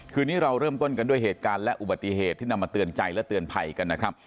คืนนี้เราเริ่มต้นกันด้วยเหตุการณ์และอุบัติเหตุที่นำมาเตือนใจและเตือนภัยกันนะครับ